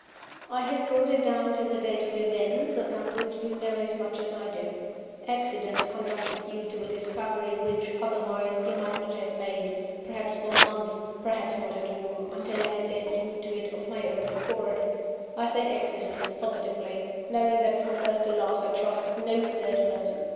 I have brought it down to the date of events, about which you know as much as I do. Accident conducted you to a discovery which, otherwise, you might not have made, perhaps for months, perhaps not at all, until I had led you to it of my own accord. I say accident, positively; knowing that from first to last I trusted no third person.